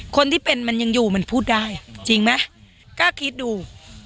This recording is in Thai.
คนที่เป็นมันยังอยู่มันพูดได้จริงไหมกล้าคิดดู